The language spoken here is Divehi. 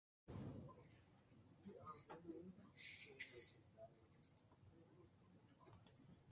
މަގުކޮނުން